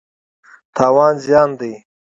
تاوان زیان دی.